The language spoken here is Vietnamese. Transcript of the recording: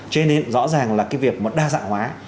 cho nên rõ ràng là cái việc mà đa dạng hóa